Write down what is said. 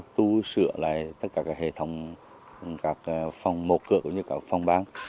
tu sửa lại tất cả các hệ thống các phòng mổ cửa cũng như các phòng bán